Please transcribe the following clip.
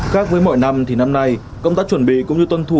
khác với mọi năm thì năm nay công tác chuẩn bị cũng như tuân thủ